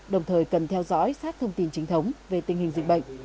đồng thời cần theo dõi sát thông tin chính thống về tình hình dịch bệnh